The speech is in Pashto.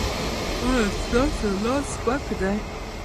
ایا ستاسو لاس سپک دی؟